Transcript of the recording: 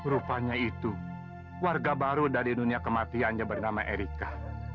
rupanya itu warga baru dari dunia kematiannya bernama erika